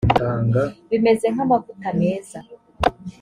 bimeze nk amavuta meza